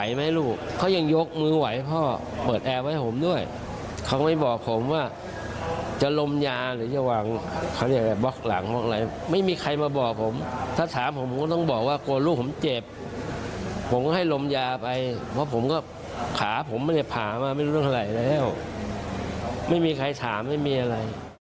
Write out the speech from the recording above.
ผมก็ให้ลมยาไปเพราะผมก็ขาผมไม่ได้ผ่ามาไม่รู้เรื่องอะไรแล้วไม่มีใครถามไม่มีอะไร